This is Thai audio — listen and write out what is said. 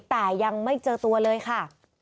แต่ยังไม่เจอตัวเลยค่ะ